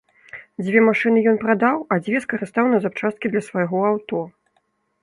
Дзве машыны ён прадаў, а дзве скарыстаў на запчасткі для свайго аўто.